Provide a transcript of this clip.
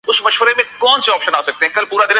چار کو بیٹھنے کی جگہ مل گئی